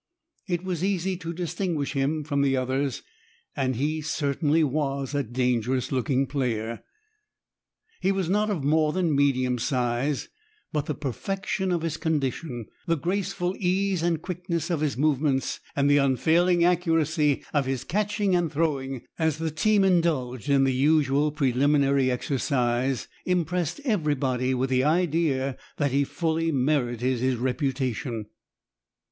It was easy to distinguish him from the others, and he certainly was a dangerous looking player. He was not of more than medium size, but the perfection of his condition, the graceful ease and quickness of his movements, and the unfailing accuracy of his catching and throwing, as the team indulged in the usual preliminary exercise, impressed everybody with the idea that he fully merited his reputation.